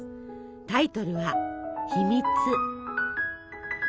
タイトルは「ひみつ」。